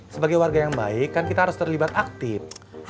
sebagai warga yang baik kan kita harus terlibat aktif